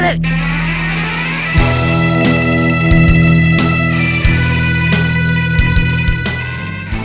aku sudah tamam